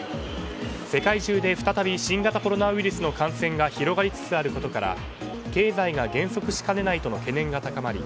世界中で再び新型コロナウイルスの感染が広がりつつあることから経済が減速しかねないという懸念が高まり